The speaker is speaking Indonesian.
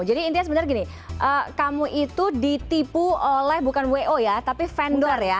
jadi intinya sebenarnya gini kamu itu ditipu oleh bukan wo ya tapi vendor ya